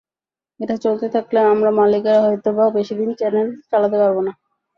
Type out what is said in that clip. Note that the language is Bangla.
এটা চলতে থাকলে আমরা মালিকেরা হয়তো-বা বেশি দিন চ্যানেল চালাতে পারব না।